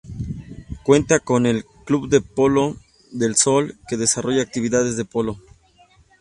Cuenta con el "Club Polo del Sol", que desarrolla actividad de polo.